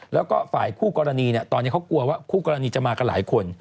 แล้วก็ฝ่ายคู่กรณีตอนนี้เขากลัวว่าคู่กรณีจะมากันหลายคน